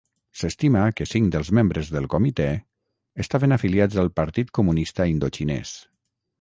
S'estima que cinc dels membres del comitè estaven afiliats al Partit Comunista Indoxinès.